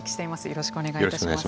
よろしくお願いします。